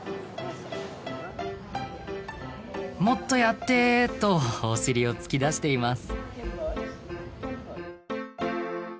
もっとやって！とおしりを突き出しています。